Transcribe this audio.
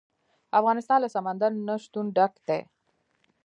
افغانستان له سمندر نه شتون ډک دی.